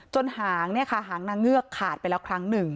จนหางนางเงือกขาดไปแล้วครั้งหนึ่ง